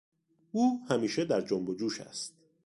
او همیشه در جنب و جوش است.